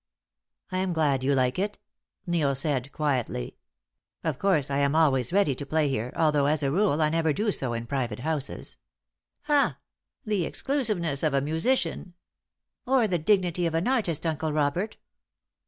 "I am glad you like it," Neil said, quietly. "Of course, I am always ready to play here, although, as a rule, I never do so in private houses." "Ha! The exclusiveness of a musician." "Or the dignity of an artist, Uncle Robert."